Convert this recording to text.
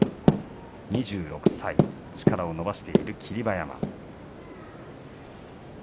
２６歳、力を伸ばしている霧馬山です。